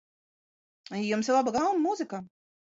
Jums ir laba gaume mūzikā.